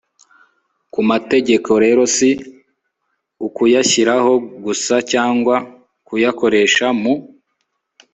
ku mategeko rero si ukuyashyiraho gusa cyangwa kuyakoresha mu